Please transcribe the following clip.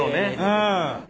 うん。